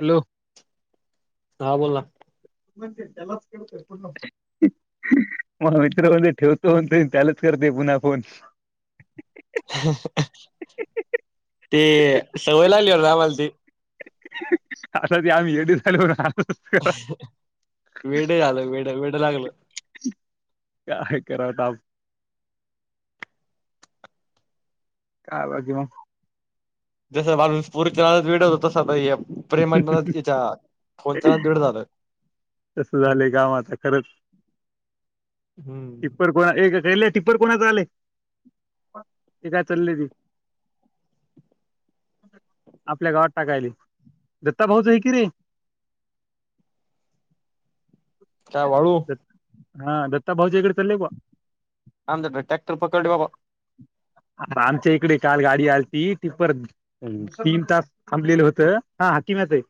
Hello हा बोल ना ला मग मित्रमध्ये ठेवतो त्यालाच करते पुन्हा फोन ते सवय लागलीवर आम्हाला त असं ते आम्ही एडी झालो होणार वेडे झालो वेडे वेड लागल काय कराव ताप काय बाकी मग? जस माणस [unintelligible] वेड होत तस भैया - हहह हह हा नादात वेड झालं. तस झालं काम आता खरंच. हम्म तितपर कोळा एक रेल् टिप्पर कोणात आले ते काय चालले ती आपल्या गावात टाकायली दत्ता भाऊच की रे काय वाळू हा दत्ता भााऊ जे कडे चाले बा थांब त्याचा टॅक्टर पकड बाबा अर आमच्या इकडे काल गाडी आलती ति परत तीन तास थांबलेलं होतं, हा ह तीनच आहे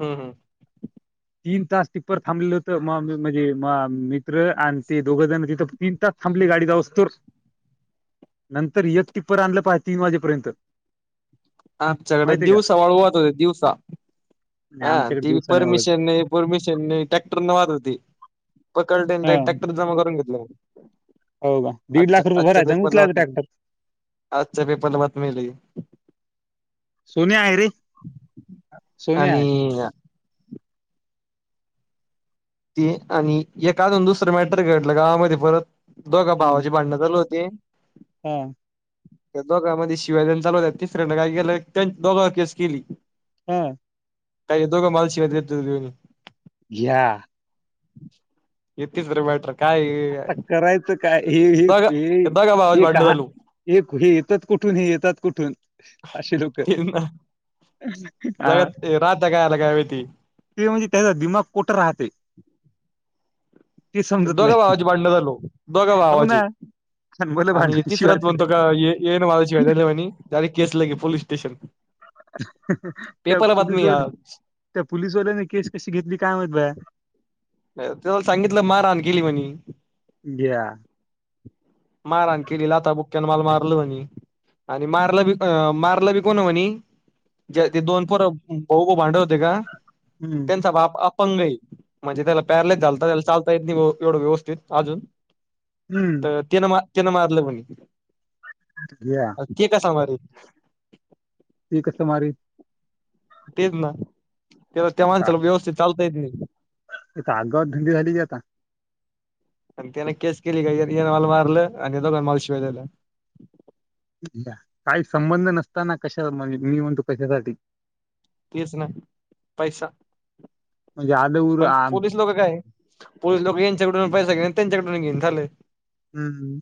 हम्म हम्म. तीन तास टिप्पर थांबलेलं होत म म म्हणजे म मित्र आणि ते दोघ जण तिथं तीन तास थांबले गाडी जाऊस्तोर नंतर एक टिप्पर आणलं पहाटे तीन वाजेपर्यंत आमच्याकडे माहितीय का दिवसा वाळू वाहत होते दिवसा नाही ह आमच्याकडे ती दिवसा नाही ओळख परमिशन नाही परमिशन नाही टॅक्टर न वाहत होती पकडतेेन हा टॅक्टर जमा करून घेतला य हो का दीड आजच्या, लाख रुपये आजच्या भरायचा आणि पेपर ला उचलायचं होत ट्रॅक्टर आजच्या पेपर ला बातमी आली सोन्या आहे रे सोन्या आहे. आणि ते आणि हे एक आजुन दुसरं मॅटर घेटलं का मधे परत दोघा भावाची भांडणं चालू होते. ते हम. त्या दोघांमध्ये शिव्या दयायला चालू होत तिसऱ्यांना काय केलं त्या दोघावर केस केली. हा का हे दोघ मला शिव्या देत होते म्हणून घ्या इतके सर्व मॅटर काय आता करायचं काय हे हे दोघा हे दोघा भावाची एक भांडणं ह चालू एक हे येतात कुठून हे येतात कुठून आशे लोक ह जगात राहत्या काय याला काय माहिती ते म्हणजे त्याचा दिमाग कोठ राहत ते ते समजत नाही. झालो दोघ हो ना भावाचे मला आणि भांडणाची तिसराच वाटी द्या कोणतर का येन भावाची [unintelligible] केस लागे पोललीस स्टेशन त्या पेपरला बातमी या. पुलिसवाल्या त्या पुलिसवाल्याने केस कशी घेतली काय माहित बा [inaudible] तेव्ह सांगितलं मारहान केली म्हणे [inaudible] मार हान केली लाता बुक्क्या न मला मारलं म्हणी आणि मारलं बी अ मारलं बी कोण म्हणी ज ते दोन फोर भाऊ भाऊ भांडत होते का? हम्म त्यांचा बाप पंगई म्हणजे त्याला पॅरलास झालता त्याला चालता येत नाही एवढं व्यवस्थित अजून हम्म. आत्ती न मारलं म्हणी घ्या अ के कसा मारल ते कसं मारी तेच ना त्या त्या इथं माणसाला व्यवस्थित चाल [inaudible] आगाव धंदे झाली की आता आणि त्याने केस केली यानं मला मारलं आणि आता आम्हाला शिव्या द्यायलाय काही संबंध नसताना कशा म्हणजे, मी म्हणतो कशासाठी तेच ना पैसा म्हणजे आलं उर पण आण पोलीस लोक काय पोलीस लोक यांच्या कुठून पैसा घेन त्यांच्या कुठून घेन झालं हम्म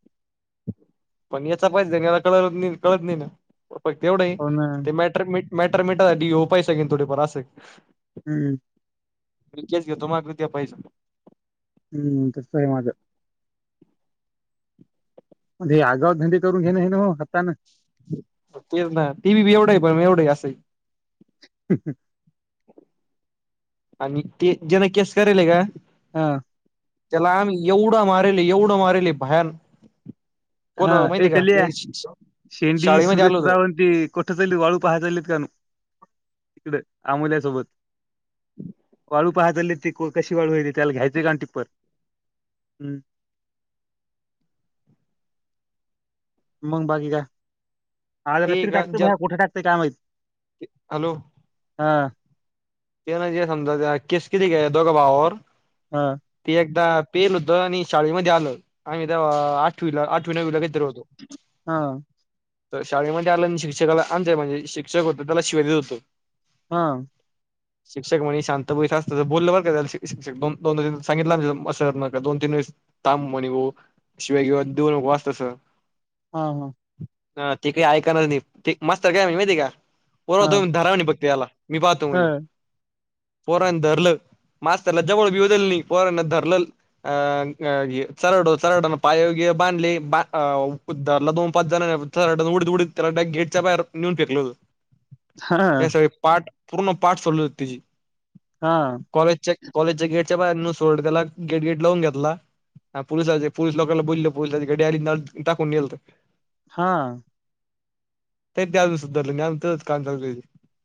पण याचा पाहिजेला कळत नाही कळत नाही ना फक्त येवढं आहे हो ना तो माँटर मी मॅटर मिेटायसाठी ह्यो पैसा घेईल थोडेफार असं आहे हम्म मी केस घेतो मागं द्या पैसं हम्म तसय माझं लय आगाव भंदी करून घेणे हे न ओ हतान तेच ना तेबी बेवड आहे पण एवढं आहे असं आहे हं ह आणि ते जेन केस करेलय का हा त्याला आम्ही एवढं मारेल एवढं मारेल भयान कोण हा माहितीय का एकल्या, ते शेंडी, शाळेमध्ये आल होत सुरेशराव ते कोठस वाळू पाहा चाल इकडं आमोल्या सोबत वाळू पाहाय चालेत ते कोकाशीवाळू आहे, त्याला घ्यायचा एक टिप्पर हम् मग बाकी काय आज ते रात्री का टाकतोय, ज्या भैया कुठे टकतय काय माहित हॅलो हा ते म्हणजे समजाच केस केली का दोघा भावावर हा ती एकदा पेल होतं आणि शाळेमध्ये आलं आम्ही आठ आठवी नवी काय तर हा तर शाळेमध्ये आलं शिक्षकाला अ म्हणजे शिक्षक होतं त्याला शिव्या देत होतो हा शिक्षक म्हणजे शांतपण असतं बोललं बर का शिक्ष दोन सांगितलं असं न दोन तीन वेस तांब म्हणे ग शिव्या किंवा दे न वा असतसं हा हा ह ठिक हाय ऐकायला लागलंय, मस्तर काय म्हणतं माहित आहे का हा पोरोनो धरा म्हणी फक्त याला मी पाहतो हा म्हणे. [inaudible] हां [unintelligible] पूर्ण पाठ सोलेल. हां [unintelligible] कॉलेज च्या कॉलेजच्याचे गेट. त्याच्या बाहेरनु सोड त्याला गेट गेट लावून घेतला पुोलिसाचे पोलिस लोकांला बोलले पोलिसची गाडी आली टाकून नेलत. हा. [unintelligible]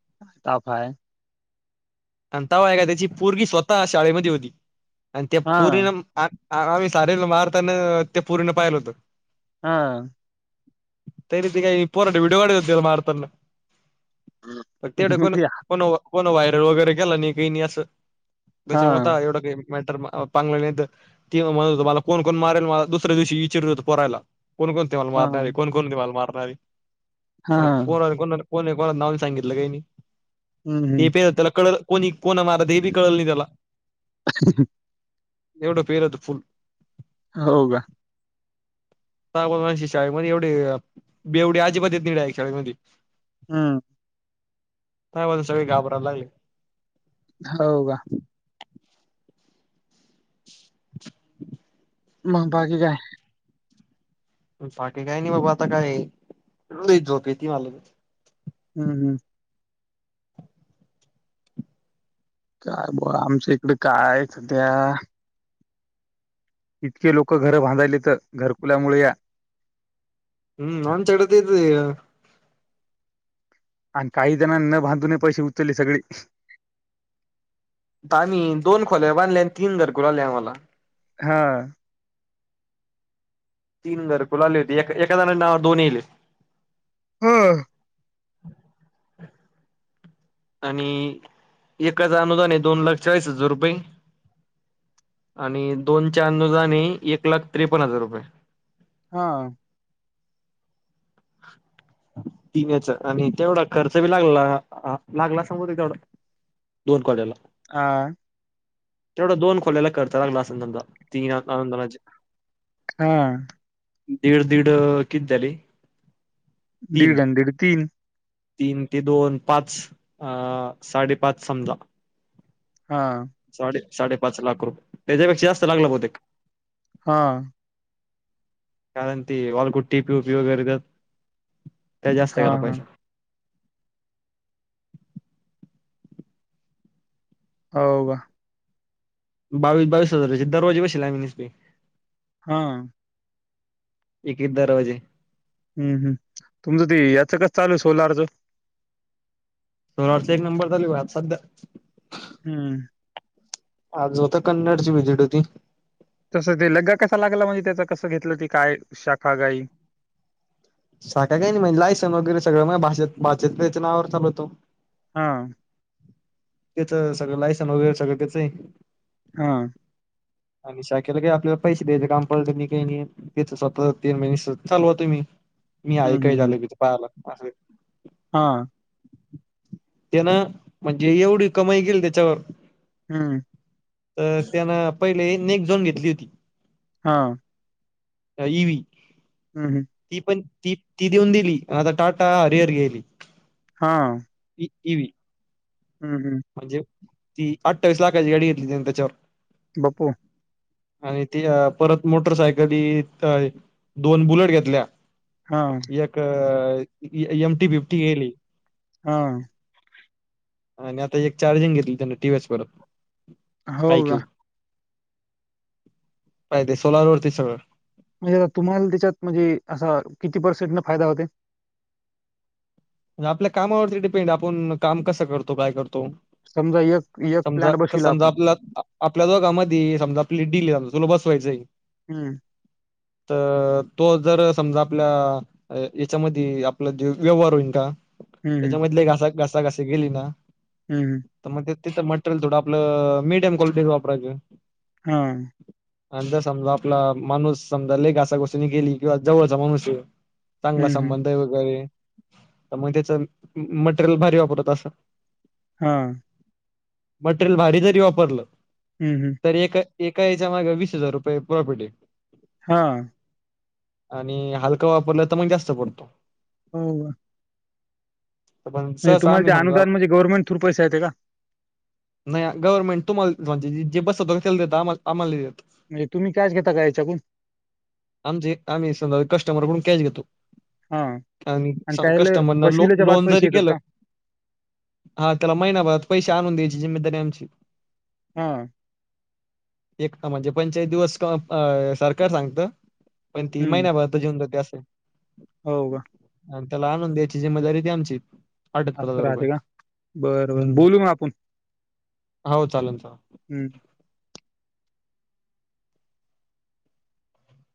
[unintelligible] [unintelligible] आहे का त्याची पोरगी स्वतः शाळेमध्ये होती [unintelligible] हां, ह आम्ही सारेला मारताना ते पूर्ण पाहिलं होतं. हा. [unintelligible] [unintelligible] वगैरे. [unintelligible] [inaudible] नाहीर हां, पांग नाही त म्हणत होत मला कोण कोण मारेल मला दुसऱ्या दिवशी विचि होतं पोरायला [inaudible] कोण कोण तेव्हा मारणार हां, कोण कोण होत मारणारे.. [unintelligible] [unintelligible] हां. कोण कोणा नाव सांगितलं काही की. हं, ते हं. प त्याला कड [unintelligible] कोणी. कोणा मारल ते बी कळल नाही त्याला. एवढं फेरत फुल. हो का. शाळेमध्ये एवढी बेवढे आजीबाजीच येत नाही शाळेमध्ये. हम्म. काय [unintelligible] सगळे घाबरायला हो का. [unintelligible] मग बाकी काय. बाकीे काय नाही बाबा आता काय लय झोप येती मला. हम्म हम्म. [unintelligible] काय सध्या [unintelligible] इतके लोकं घरं बांधायले तर घरकुलामुळे या हम्म आमच्याकडं तेच आहे आणि काही जणांना न बांधून पैसे उचलले सगळे आम्ही दोन खोल्या बांधल्या आणि तीन घरंकुलाले आम्हाला हा तीन घरकुल आली होती एकजणाच्या नावावर दोन येले हे हा [inaudible] आणि एकाच अनुदान दोन लाख चाळीस हजार रुपये आणि दोनच्या अनुजदाने एक लाख त्रेपन्न हजार रुपये हा तीन्याच आणि तेवढा खर्च बी लागला लागला सांगत तेवढा दोन खोल्याला हा तेवढा दोन खोल्याला खर्च लागला आसन हा दीड दीड किती झाली दीड दीड तीन तीन ते दोन पाच अ साडेपाच समजा हा साडे साडेपाच लाख रुपये त्याच्यापेक्षा जास्त लागलं बहुतेक हा कारण ती वालपुट्टी पीयूपी वगैरे देतात त्यात जास्त गेला हां, हां. पैसा हो का बावीस बावीस हजार दरवाजे बशेल आम्ही निसते हा एक एक दरवाजे हम्म हम् तुमचं ते याच कस चालू आहे सोलारचं सोलारच एक नंबर चालू आहे भाऊ सध्या हम्म आज होत कन्नड ची विजिट होती तसं ते लग्गा कसा लागला म्हणजे त्याच कसं घेतलं ते काय शाखा काही शाखा काही नाही म्हणजे लायसन वगैरे सगळं माझा भाचा त्याच्या नावावर चालतो हा त्याच सगळं लायसन वगैरे सगळं त्याचही हा आणि शाखेला काही आपल्याला पैसे द्यायचे काम पडत मी काही नाहीच स्वतः तीन महिने चालवतु म्ही मी हाय काय झाल बीत पाहायला अस हा त्या ना म्हण एवढी कमाई केली त्याच्यावर हम्म तर त्यानं पहिले नेक झोन घेतली होती हा का ही बी ती पण ती तीघेउन दिली. आता टाटा हरिहर घ्यायली. हा- कम [unintelligible] म्हनजे? ती अठ्ठावीस लाखाची गाडी घेतली त्यांनी त्याच्यावर. बा्पू आणि त परत मोटरसायकली [unintelligible] दोन बुलेट घेतल्या. हां, एक अ एम टी फिफ्टी गेली. हा. आणि आता एक चार्जिंग घेतली त्यांन टी व्ही यस परत. हो का? पाहि ते सोलार वरती सगळं. म्हणजे आ तुम्हाला त्याच्यात म्हणजे असा किती पर्सेंट न फायदा होते? णते आपल्या कामावरती डिपेंड. आपण काम कसं करतो काय करतो.. समजा एक एक समजा, प्लांट बसविला समजा आपण. आप -आपल्या दोघामध्ये समजा डिली सम [unintelligible] तुल बसवायचं हाय? हम्म. त तो जर समजा आपल्या याच्यामध्ये आपला. जो व्यवहार होईल का? हं, त्याच्यामधले घाास--घास कशी गेली ना. हूं हूं. त्याचं मटेरियल थोडं आपलं मिडियम क्वालिटीच वापरायचं. हा. आणिं जर समजा आपला माणूस समजा लेक अशा गोष्टीनी गेली किंवा जवळचा माणूस चांगला हं, हं. संबंध आहे वगैरे. तर मग त्याच मटेरियल भारी वापरत असं. हा. मटेरियल भारी जरी वापरलं- हं, हं. तरी एक एका याच्या मागे वीस हजार रुपये प्रॉपर्टी. हा. आणि हलकां वापरला तर मग जास्त पडतो. हो. पण म्हणजे सहसा तुम्हाला आम्ही ते समजा अनुदान म्हणजे गव्हर्नमेंट थ्रू पैसे येते का? नाही गव्हर्मेंट तुम्हाला म्हणजे जे बसत अस भलत्याल देता आम्हा आम्हाला नाही देत म्हणजे तुम्ही कॅश घेता का याच्याकून? आमचे आम्ही समजा कस्टमरकडून कॅश घेत हां. [inaudible] [unintelligible] आणि त्यायले कस्टमनला लोक बसविल्याच्या बाद लोन पैसे जरी येतात गेलं का? आ त्याला महिनाभरात पैसे आ आणून द्यायची जिमेदारी आमची हा एक ता म्हणजे पंचेआयत दिवस काम अ सरकार सांगत पण ती हम्म. महिनाभरातच येऊन जाते असं [inaudible] हो का आन त्याला आणून द्यायची जिम्मेदारी ती आमची अठ्याहत्तर असं हजार रुपये राहतें का बर बर हम्म बोलू मग आपण हो चालेल चालेल हम्